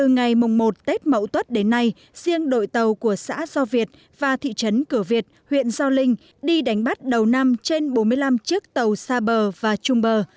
ngày mùng một tết mẫu tuất đến nay riêng đội tàu của xã so việt và thị trấn cửa việt huyện do linh đi đánh bắt đầu năm trên bốn mươi năm chiếc tàu xa bờ và chung bờ